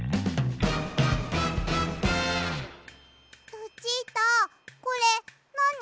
ルチータこれなに？